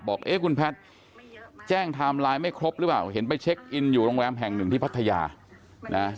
เอ๊ะคุณแพทย์แจ้งไทม์ไลน์ไม่ครบหรือเปล่าเห็นไปเช็คอินอยู่โรงแรมแห่งหนึ่งที่พัทยานะ